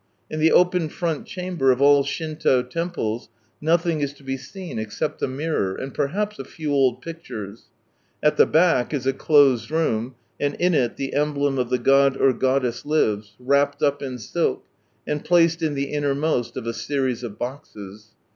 In the open front chamber of all Shinto temples, nothing is to be seen except a mirror, and per haps a few old pictures ; at the back is a closed room, and in it the emblem of the god or goddess lives, wrapped up in silk, and placed in the innermost of a series of boxes.